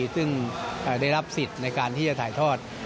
ซึ่งได้รับสิทธิ์ในการที่จะถ่ายทอด